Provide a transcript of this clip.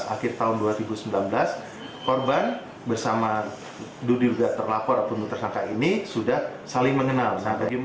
akhir tahun dua ribu sembilan belas korban bersama duduk terlapor atau tersangka ini sudah saling mengenal